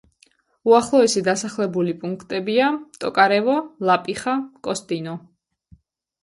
უახლოესი დასახლებული პუნქტებია: ტოკარევო, ლაპიხა, კოსტინო.